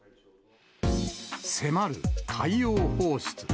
迫る海洋放出。